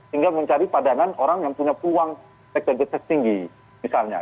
tinggal mencari padanan orang yang punya peluang elektabilitas tinggi misalnya